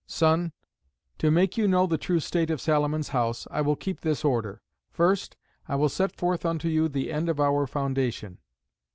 Son, to make you know the true state of Salomon's House, I will keep this order. First, I will set forth unto you the end of our foundation.